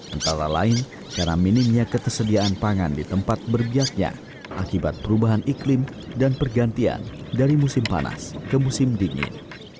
antara lain karena minimnya ketersediaan pangan di tempat berbiaknya akibat perubahan iklim dan pergantian dari musim panas ke musim dingin